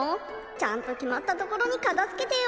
ちゃんときまったところにかたづけてよ。